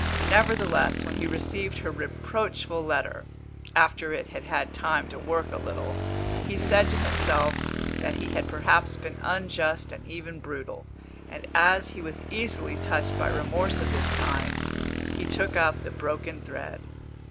Nevertheless, when he received her reproachful letter (after it had had time to work a little), he said to himself that he had perhaps been unjust and even brutal, and as he was easily touched by remorse of this kind, he took up the broken thread.